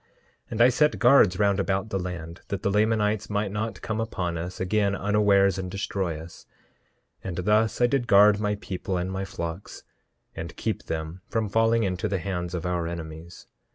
10:2 And I set guards round about the land, that the Lamanites might not come upon us again unawares and destroy us; and thus I did guard my people and my flocks, and keep them from falling into the hands of our enemies.